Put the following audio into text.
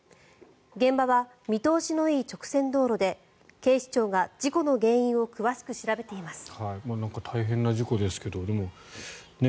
現場は見通しのいい直線道路で警視庁が事故の原因を詳しく調べています。